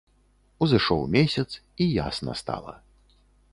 Узышоў месяц, і ясна стала.